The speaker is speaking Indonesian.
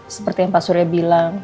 seperti yang pak surya bilang